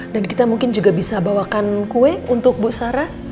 dan kita mungkin juga bisa bawakan kue untuk bu sarah